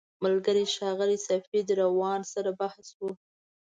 ملګري ښاغلي سفید روان سره بحث و.